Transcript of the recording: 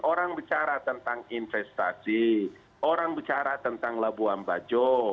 orang bicara tentang investasi orang bicara tentang labuan bajo